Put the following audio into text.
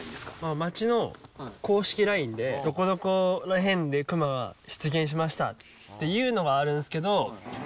町の公式ＬＩＮＥで、どこどこの辺で熊が出現しましたっていうのがあるんですけど。